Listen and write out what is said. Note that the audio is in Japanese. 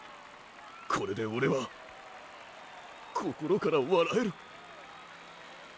これでオレは心から笑える。